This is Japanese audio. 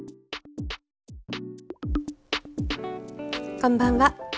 こんばんは。